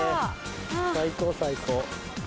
最高最高！